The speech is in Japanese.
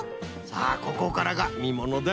さあここからがみものだ。